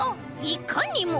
いかにも！